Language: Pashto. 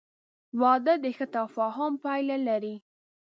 • واده د ښه تفاهم پایله لري.